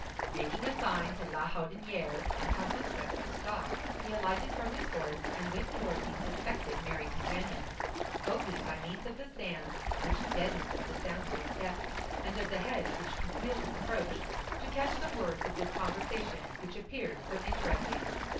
Making a sign to La Houdinière and Cahusac to stop, he alighted from his horse, and went toward these suspected merry companions, hoping, by means of the sand which deadened the sound of his steps and of the hedge which concealed his approach, to catch some words of this conversation which appeared so interesting.